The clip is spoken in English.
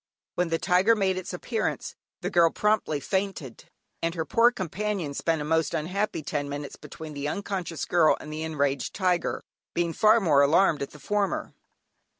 When the tiger made its appearance, the girl promptly fainted, and her poor companion spent a most unhappy ten minutes between the unconscious girl and the enraged tiger, being far more alarmed at the former.